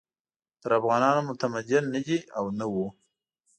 تر افغانانو متمدن نه دي او نه وو.